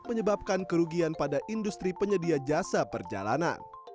menyebabkan kerugian pada industri penyedia jasa perjalanan